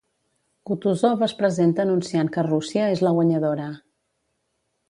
Kutúzov es presenta anunciant que Rússia és la guanyadora.